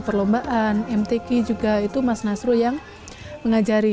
perlombaan mtk juga itu mas nasrul yang mengajari